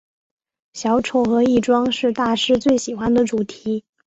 小丑和易装是大师最喜欢的主题。